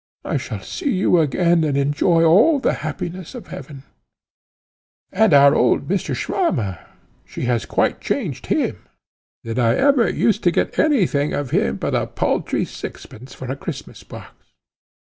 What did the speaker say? I shall see you again, and enjoy all the happiness of heaven.' And our old Mr. Swammer! she has quite changed him. Did I ever use to get any thing of him but a paltry sixpence for a Christmas box?